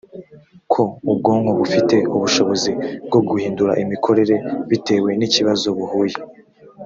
ko ubwonko bufite ubushobozi bwo guhindura imikorere bitewe n ikibazo buhuye